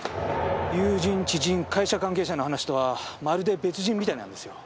友人知人会社関係者の話とはまるで別人みたいなんですよ。